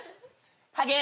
ハゲー！